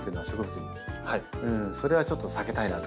それはちょっと避けたいなと。